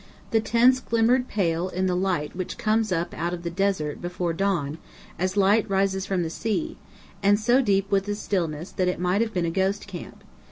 The tents glimmered pale in the light which comes up out of the desert before dawn, as light rises from the sea; and so deep was the stillness that it might have been a ghost camp.